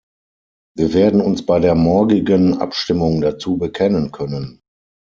Wir werden uns bei der morgigen Abstimmung dazu bekennen können.